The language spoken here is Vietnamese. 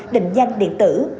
định danh điện tử